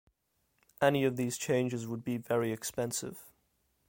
Any of these changes would be very expensive.